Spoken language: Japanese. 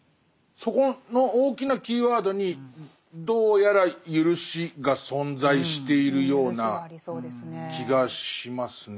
そこの大きなキーワードにどうやら「ゆるし」が存在しているような気がしますね。